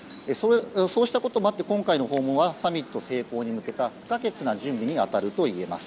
そうしたこともあって今回の訪問はサミット成功に向けた不可欠な準備に当たるといえます。